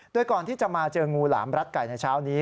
โดยก่อนที่จะมาเจองูหลามรัดไก่ในเช้านี้